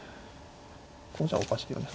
これじゃおかしいよね。